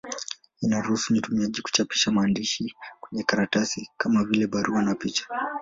Inaruhusu mtumiaji kuchapisha maandishi kwenye karatasi, kama vile barua na picha.